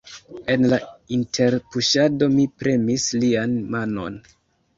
En la interpuŝado mi premis lian manon.